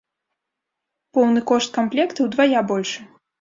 Поўны кошт камплекта ўдвая большы.